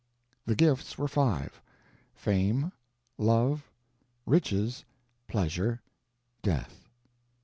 The gifts were five: Fame, Love, Riches, Pleasure, Death.